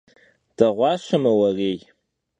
Değuaşeme vuerêy!